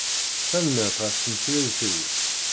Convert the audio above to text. Tanemmirt ɣef tmesliwt-im.